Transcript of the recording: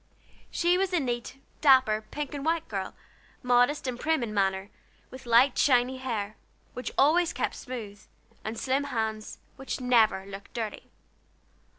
She was a neat, dapper, pink and white girl, modest and prim in manner, with light shiny hair, which always kept smooth, and slim hands, which never looked dirty.